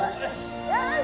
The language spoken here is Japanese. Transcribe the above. ・よし。